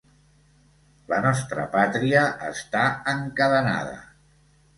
La nostra pàtria està encadenada.